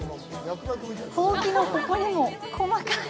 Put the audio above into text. ほうきのここにも細かい。